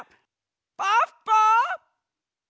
ポッポ！